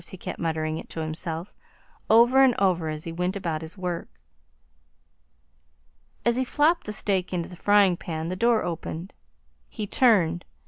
he kept muttering it to himself, over and over, as he went about his work. As he flopped the steak into the frying pan the door opened. He turned.